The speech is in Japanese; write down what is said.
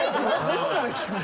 どこから聞くんだ？